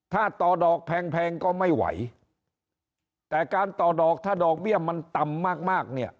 ถ้าต่อดอกแพงแพงก็ไม่ไหวแต่การต่อดอกถ้าดอกเบี้ยมันต่ำมากมากเนี่ย